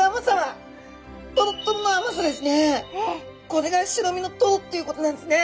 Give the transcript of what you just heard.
これが白身のトロっていうことなんですね！